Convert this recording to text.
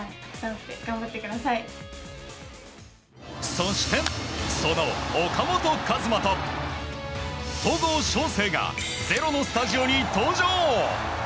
そして、その岡本和真と戸郷翔征が「ｚｅｒｏ」のスタジオに登場。